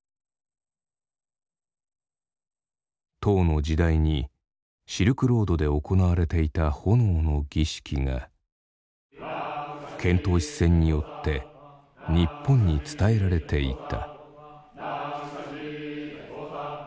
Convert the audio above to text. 唐の時代にシルクロードで行われていた炎の儀式が遣唐使船によって日本に伝えられていた。